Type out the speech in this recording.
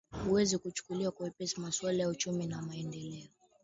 wezi kuchukulia kwa wepesi maswala ya uchumi na maendeleo